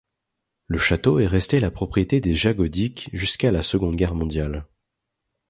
Le château est resté la propriété des Jagodić jusqu'à la Seconde Guerre mondiale.